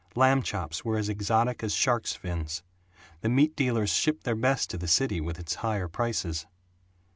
Lamb chops were as exotic as sharks' fins. The meat dealers shipped their best to the city, with its higher prices.